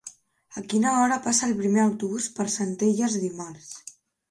A quina hora passa el primer autobús per Centelles dimarts?